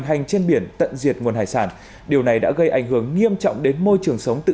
phát biển tận diệt nguồn hải sản điều này đã gây ảnh hưởng nghiêm trọng đến môi trường sống tự